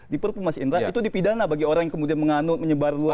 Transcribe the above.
di perpu mas indra itu dipidana bagi orang yang kemudian menganut menyebar luas